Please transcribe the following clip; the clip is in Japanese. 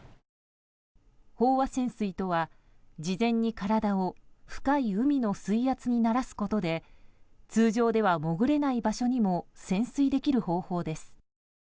飽和潜水とは事前に体を深い海の水圧に慣らすことで通常では潜れない場所にも潜水できる方法です。